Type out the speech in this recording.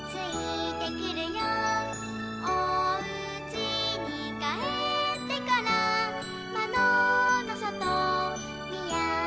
「おうちにかえってからまどのそとみあげてみよう」